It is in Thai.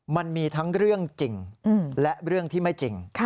มันมีทั้งเรื่องจริงและเรื่องที่ไม่จริง